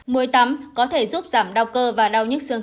muối tắm có thể giúp giảm đau cơ và đau nhức xương